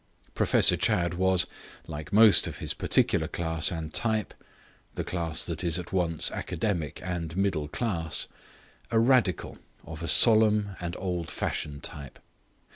Professor Chadd was, like most of his particular class and type (the class that is at once academic and middle class), a Radical of a solemn and old fashioned type.